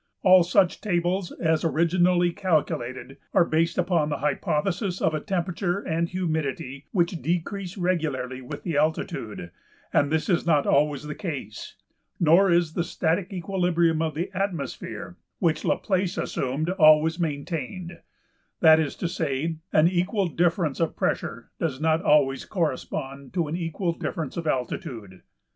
All such tables as originally calculated are based upon the hypothesis of a temperature and humidity which decrease regularly with the altitude, and this is not always the case; nor is the "static equilibrium of the atmosphere" which Laplace assumed always maintained; that is to say an equal difference of pressure does not always correspond to an equal difference of altitude.